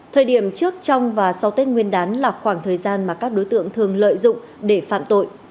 thời điểm trước trong và sau tết nguyên đán là khoảng thời gian mà các đối tượng thường lợi dụng để phạm tội